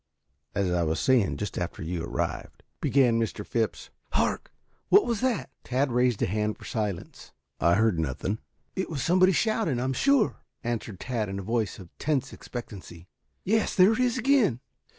"As I was saying just after you arrived," began Mr. Phipps "Hark! What was that?" Tad raised a hand for silence. "I heard nothing." "It was somebody shouting, I am sure," answered Tad in a voice of tense expectancy. "Yes, there it is again."